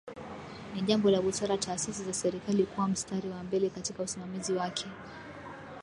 Ni jambo la busara taasisi za Serikali kuwa mstari wa mbele katika usimamizi wake